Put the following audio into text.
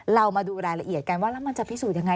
เรามาดูรายละเอียดกันว่าแล้วมันจะพิสูจน์ยังไง